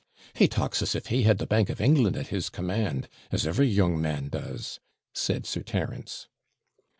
'Wheugh! He talks as if he had the Bank of England at his command, as every young man does,' said Sir Terence.